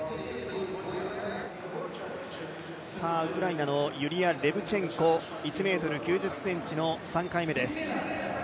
ウクライナのユリア・レブチェンコ、１ｍ９０ｃｍの３回目です。